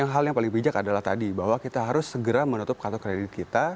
hal yang paling bijak adalah tadi bahwa kita harus segera menutup kartu kredit kita